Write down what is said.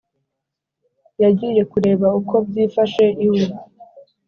yagiye kureba uko byifashe iwe